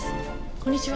こんにちは。